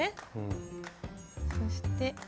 そして。